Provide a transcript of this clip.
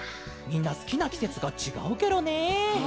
みんなすきなきせつがちがうケロね！